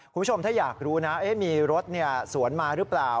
คุณผู้ชมถ้าอยากรู้นะมีรถสวนมาหรือเปล่า